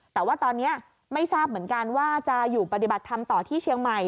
แต่ว่าตอนนี้ไม่ทราบเหมือนกันว่าจะอยู่ปฏิบัติธรรมต่อที่เชียงใหม่